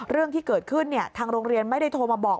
เรื่องที่เกิดขึ้นทางโรงเรียนไม่ได้โทรมาบอก